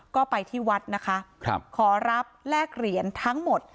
ก็ไปที่วัดนะคะขอรับแลกเหรียญทั้งหมด